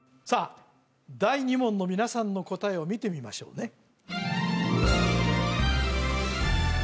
さあ第２問の皆さんの答えを見てみましょうね